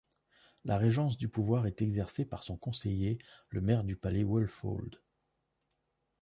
La régence du pouvoir est exercée par son conseiller, le maire du palais Wulfoald.